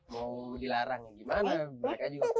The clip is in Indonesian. mau dilarang gimana mereka juga tahu